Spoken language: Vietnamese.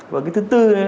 và thứ tư